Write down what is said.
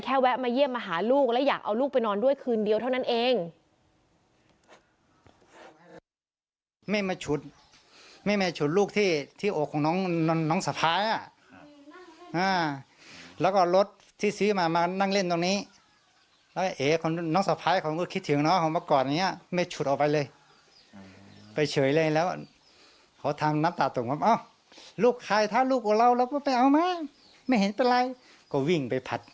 แวะมาเยี่ยมมาหาลูกและอยากเอาลูกไปนอนด้วยคืนเดียวเท่านั้นเอง